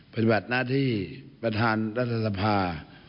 ปัจจัดหน้าที่ประธานรัฐศภา